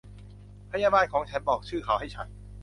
พยาบาลของฉันบอกชื่อเขาให้ฉัน